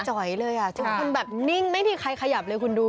เลยอ่ะจนคุณแบบนิ่งไม่มีใครขยับเลยคุณดู